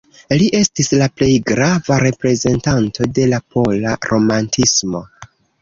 Li estis la plej grava reprezentanto de la pola romantismo.